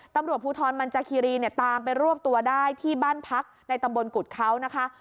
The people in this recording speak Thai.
ตำรวจภูทรมันจาคีรีเนี่ยตามไปรวบตัวได้ที่บ้านพักในตำบลกุฎเขานะคะ